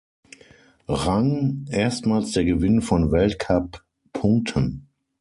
Rang erstmals der Gewinn von Weltcup-Punkten.